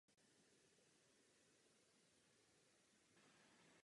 Jeho hrob se nachází v Mariánské bazilice v Gdaňsku.